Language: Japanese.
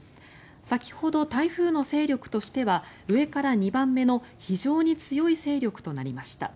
先ほど台風の勢力としては上から２番目の非常に強い勢力となりました。